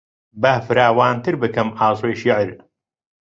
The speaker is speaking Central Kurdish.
با فراوانتر بکەم ئاسۆی شێعر